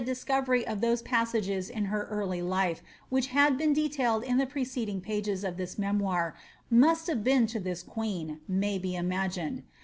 997 discoveiy of those passages in her early life which have been detailed in the preceding pages of this memoir must have been to the queen, may be imagined.